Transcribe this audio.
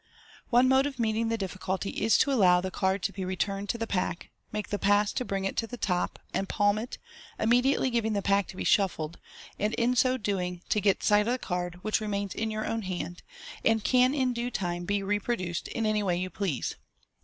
One mode of meeting the difficulty is to allow the card to be returned to the pack, make the pass to bring it to the top, and palm it, immediately giving the pack to be shuffled, and in so doing to get sight of the card, which remains in your own hand, and can in due time be reproduced in any way you please.